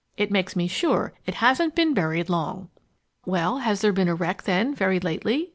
It makes me sure it hasn't been buried long." "Well, has there been a wreck, then, very lately?"